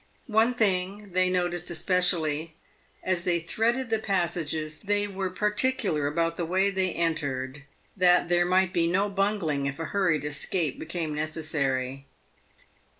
One thing they noticed especially. As they threaded the passages, they were particular about the way they entered, that there might be no bungling if a hurried escape became necessary.